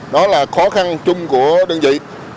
đó là khó khăn chung của đơn vị